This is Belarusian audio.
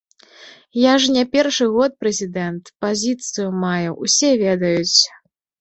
Я ж не першы год прэзідэнт, пазіцыю маю, усе ведаюць.